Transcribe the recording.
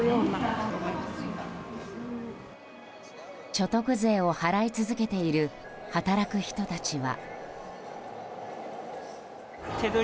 所得税を払い続けている働く人たちは。